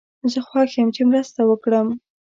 زه خوښ یم چې مرسته وکړم.